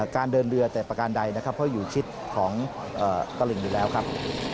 การเดินเรือแต่ประการใดนะครับเพราะอยู่ชิดของตลิ่งอยู่แล้วครับ